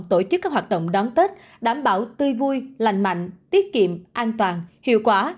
tổ chức các hoạt động đón tết đảm bảo tươi vui lành mạnh tiết kiệm an toàn hiệu quả